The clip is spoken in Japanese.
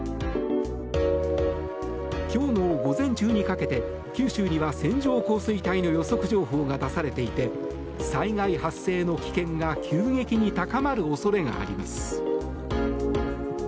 今日の午前中にかけて九州には線状降水帯の予測情報が出されていて災害発生の危険が急激に高まる恐れがあります。